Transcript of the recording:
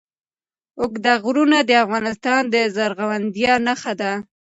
اوږده غرونه د افغانستان د زرغونتیا نښه ده.